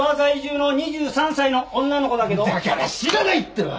だから知らないってば！